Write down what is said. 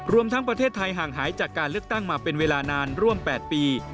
รวมทั้งประเทศไทยห่างหายจากการเลือกตั้งมาเป็นเวลานานร่วม๘ปี